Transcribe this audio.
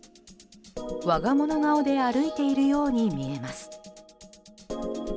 我が物顔で歩いているように見えます。